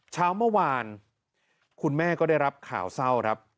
เช้าเมื่อวานคุณแม่ก็ได้รับข่าวเศร้าครับ